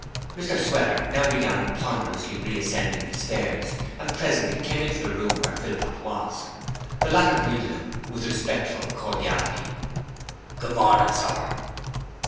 Mr Sweater now began ponderously re ascending the stairs and presently came into the room where Philpot was. The latter greeted him with respectful cordiality: 'Good morning, sir.'